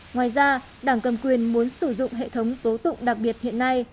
ngoài ra đảng cầm quyền muốn sử dụng hệ thống tố tụng đặc biệt hiện nay